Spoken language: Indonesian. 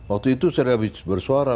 waktu itu saya berbicara